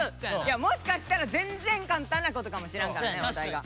もしかしたら全然簡単なことかもしらんからねお題が。